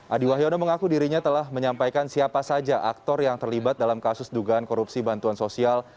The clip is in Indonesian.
adi wahyono mengaku dirinya telah menyampaikan siapa saja aktor yang terlibat dalam kasus dugaan korupsi bantuan sosial